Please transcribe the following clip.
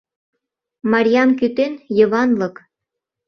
Марьям кӱтен — Йыванлык.